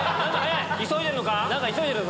急いでんのか？